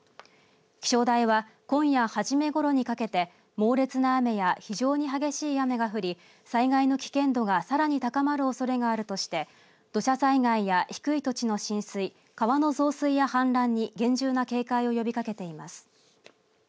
気象台は今夜はじめごろにかけて猛烈な雨や非常に激しい雨が降り災害の危険度がさらに高まるおそれがあるとして土砂災害や低い土地の浸水川の増水や氾濫に厳重な警戒を呼びかけています。